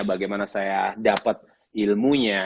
bagaimana saya dapat ilmunya